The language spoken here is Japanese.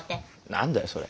何だよそれ。